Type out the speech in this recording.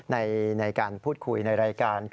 ในการพูดคุยในรายการ